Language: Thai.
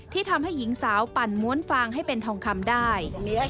ที่ทำให้หญิงสาวปั่นม้วนฟางให้เป็นทองคำได้